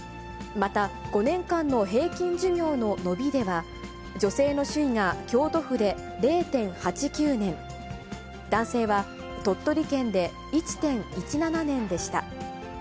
また５年間の平均寿命の延びでは、女性の首位が京都府で０．８９年、男性は鳥取県で１．１７年でした。